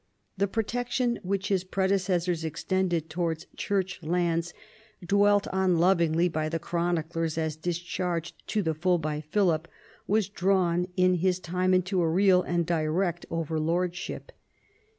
The protection which his predecessors extended to wards Church lands, dwelt on lovingly by the chroniclers as discharged to the full by Philip, was drawn in his time into a real and direct overlordship.